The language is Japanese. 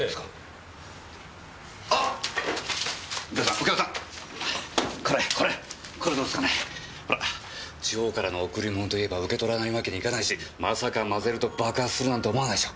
ほら地方からの贈り物と言えば受け取らないわけにいかないしまさか混ぜると爆発するなんて思わないでしょ？